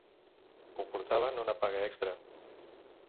Comportaven una paga extra